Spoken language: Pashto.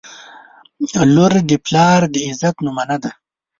• لور د پلار د عزت نمونه ده.